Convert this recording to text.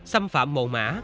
xâm phạm mồ mã